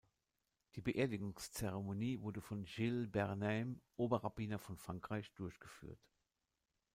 Die Beerdigungszeremonie wurde von Gilles Bernheim, Oberrabbiner von Frankreich durchgeführt.